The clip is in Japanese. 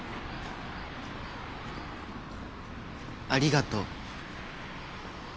ありがとう。